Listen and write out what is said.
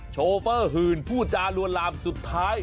โชเฟอร์หื่นผู้จารวนลามสุดท้าย